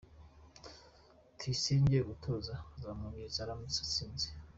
Tuyisenge yatoye uzamwungiriza aramutse atsinze